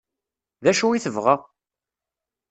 D acu i tebɣa?